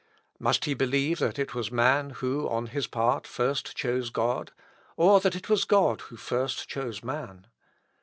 Must he believe that it was man who, on his part, first chose God? or that it was God who first chose man?